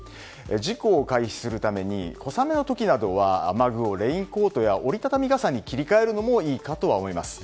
事故を回避するために小雨の時などは雨具をレインコートや折り畳み傘に切り替えるのもいいかとは思います。